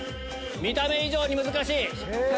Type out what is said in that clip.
見た目以上に難しい！